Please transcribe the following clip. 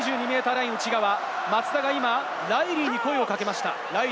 ２２ｍライン内側、松田が今、ライリーに声をかけました。